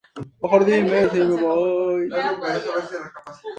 En unos puntos el clima es frío, en oros templado y en otros caliente.